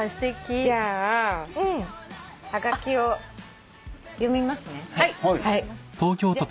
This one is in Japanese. じゃあ先輩がはがきを読みますからね。